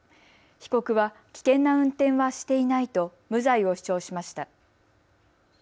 被告は危険な運転はしていないと無罪を主張しました。